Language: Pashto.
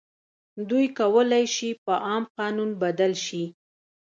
دوی کولای شي په عام قانون بدل شي.